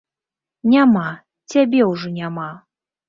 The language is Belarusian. Няма, цябе ўжо няма!